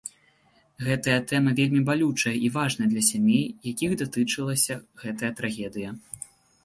Гэтая тэма вельмі балючая і важная для сямей, якіх датычылася гэтая трагедыя.